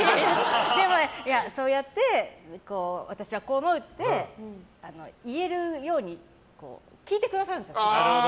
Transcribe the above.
でも、そうやって私はこう思うって言えるように聞いてくださるんですよ。